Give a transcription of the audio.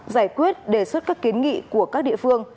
giải quyết đề xuất các kiến nghị của các địa phương